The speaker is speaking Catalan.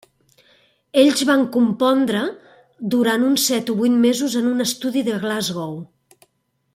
Ells van compondre durant uns set o vuit mesos en un estudi de Glasgow.